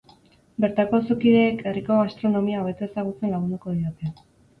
Bertako auzokideek herriko gastronomia hobeto ezagutzen lagunduko diote.